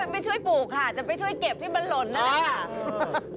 อ๋อไม่ช่วยปลูกค่ะจะไปช่วยเก็บที่มันหล่น